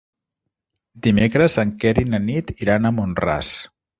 Dimecres en Quer i na Nit iran a Mont-ras.